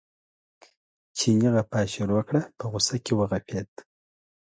چیني غپا شروع کړه په غوسه کې وغپېد.